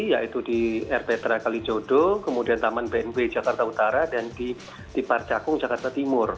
yaitu di rptra kalijodo kemudian taman bnb jakarta utara dan di parcakung jakarta timur